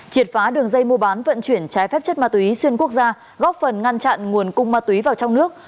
triệt phá đường dây mua bán vận chuyển trái phép chất ma túy xuyên quốc gia góp phần ngăn chặn nguồn cung ma túy vào trong nước